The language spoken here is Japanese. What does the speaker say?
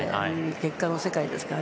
結果の世界ですから。